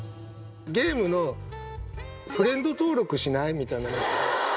ゲームのフレンド登録しない？みたいな。